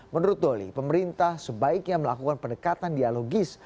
menurut doli pemerintah sebaiknya melakukan pendekatan dialogis